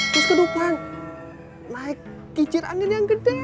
terus ke depan naik kicir anil yang gede banget